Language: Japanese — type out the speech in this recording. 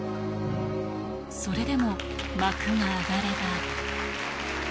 それでも、幕が上がれば。